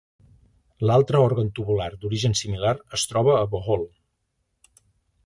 L'altre òrgan tubular d'origen similar es troba a Bohol.